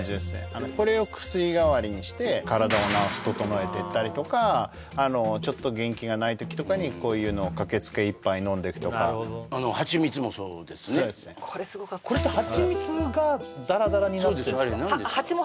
あのこれを薬代わりして体を治す整えてったりとかあのちょっと元気がない時とかにこういうのをかけつけ一杯飲んでくとかなるほどそうですねこれすごかったこれってハチミツがダラダラになってるんですか？